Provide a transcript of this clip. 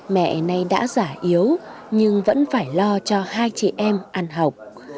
mẹ nay đã giả yếu nhưng vẫn phải lo cho hai chị em ăn học